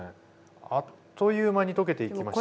あっという間に溶けていきました。